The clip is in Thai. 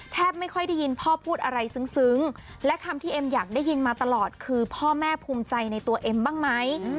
ไม่ค่อยได้ยินพ่อพูดอะไรซึ้งและคำที่เอ็มอยากได้ยินมาตลอดคือพ่อแม่ภูมิใจในตัวเอ็มบ้างไหม